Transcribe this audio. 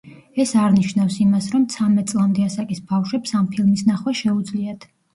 ეს არ ნიშნავს იმას, რომ ცამეტ წლამდე ასაკის ბავშვებს ამ ფილმის ნახვა შეუძლიათ.